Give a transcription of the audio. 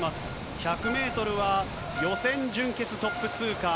１００メートルは予選準決トップ通過。